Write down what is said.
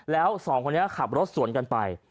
แล้ว๒คนขับรถสวนกันไป